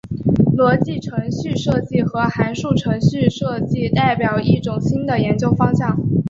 逻辑程序设计和函数程序设计代表一种新的研究方向。